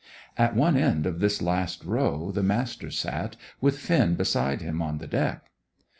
At one end of this last row the Master sat, with Finn beside him on the deck.